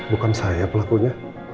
bukan saya pelakunya